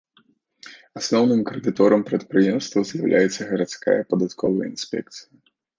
Асноўным крэдыторам прадпрыемства з'яўляецца гарадская падатковая інспекцыя.